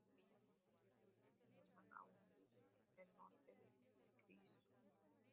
Una pequeña minoría de origen alemán aún vive en el norte de Schleswig.